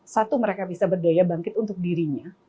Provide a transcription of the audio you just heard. satu mereka bisa berdaya bangkit untuk dirinya